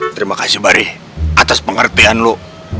terima kasih bari atas pengertian lu